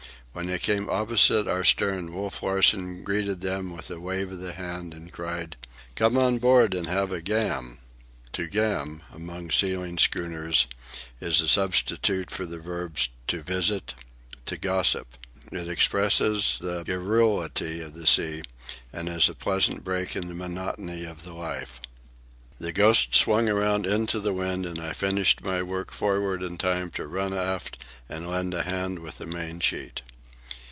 When they came opposite our stern, Wolf Larsen greeted them with a wave of the hand, and cried: "Come on board and have a 'gam'!" "To gam," among the sealing schooners, is a substitute for the verbs "to visit," "to gossip." It expresses the garrulity of the sea, and is a pleasant break in the monotony of the life. The Ghost swung around into the wind, and I finished my work forward in time to run aft and lend a hand with the mainsheet.